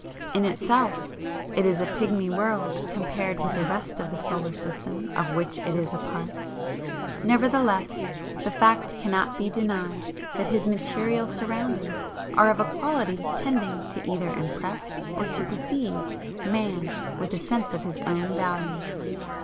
In itself it is a pigmy world compared with the rest of the solar system of which it is a part. Nevertheless, the fact cannot be denied that his material surroundings are of a quality tending to either impress or to deceive Man with a sense of his own value.